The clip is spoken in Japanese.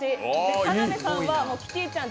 田辺さんはキティちゃん